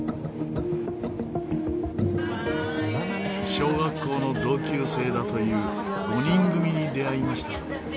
小学校の同級生だという５人組に出会いました。